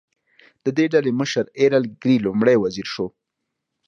د دې ډلې مشر ایرل ګرې لومړی وزیر شو.